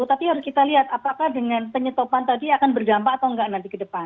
tapi harus kita lihat apakah dengan penyetopan tadi akan berdampak atau enggak nanti ke depan